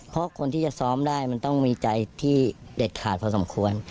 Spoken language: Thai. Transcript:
เพราะคนที่จะซ้อมได้มันต้องมีใจที่เด็ดขาดพอสมควร